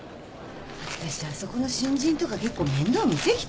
私あそこの新人とか結構面倒見てきたよね。